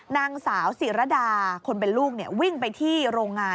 นางสาวศิรดาคนเป็นลูกวิ่งไปที่โรงงาน